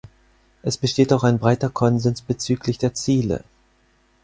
Es besteht auch ein breiter Konsens bezüglich der Ziele.